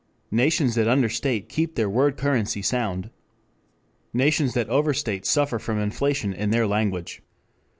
Nations that understate keep their word currency sound. Nations that overstate suffer from inflation in their language.